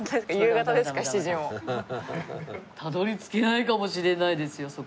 たどり着けないかもしれないですよ